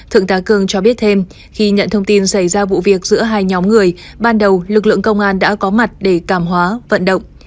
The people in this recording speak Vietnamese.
thượng tá cường cho biết thêm khi nhận thông tin xảy ra vụ việc giữa hai nhóm người ban đầu lực lượng công an đã có mặt để cảm hóa vận động